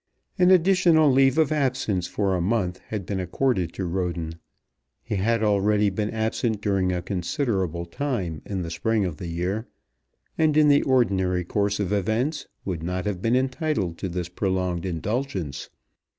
An additional leave of absence for a month had been accorded to Roden. He had already been absent during a considerable time in the spring of the year, and in the ordinary course of events would not have been entitled to this prolonged indulgence.